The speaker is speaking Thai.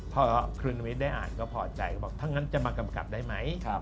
พอครูเนรมิตก็ได้อ่านพี่ก็พอใจถ้างันจะมากำกับได้ไหม